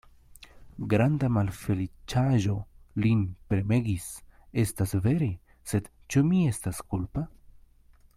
Granda malfeliĉaĵo lin premegis; estas vere: sed ĉu mi estas kulpa?